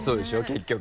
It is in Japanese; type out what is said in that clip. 結局。